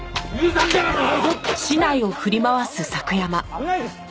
危ないですって。